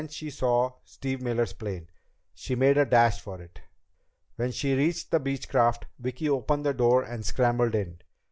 Then she saw Steve Miller's plane. She made a dash for it. When she reached the Beechcraft, Vicki opened the door and scrambled in.